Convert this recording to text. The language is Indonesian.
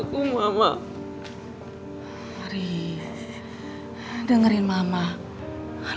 kita kejadian internationally